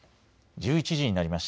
１１時になりました。